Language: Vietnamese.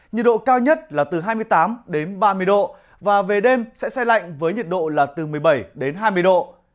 nhiệt độ cao nhất là từ hai mươi tám đến ba mươi độ và về đêm sẽ xe lạnh với nhiệt độ là từ một mươi bảy đến hai mươi độ